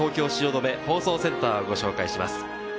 それでは東京・汐留放送センターをご紹介します。